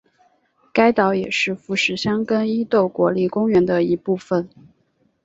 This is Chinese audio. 该岛也是富士箱根伊豆国立公园的一部分。